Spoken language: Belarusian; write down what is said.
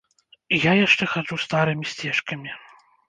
Я яшчэ хаджу старымі сцежкамі.